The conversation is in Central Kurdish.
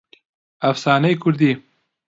ئەفسانەی کوردی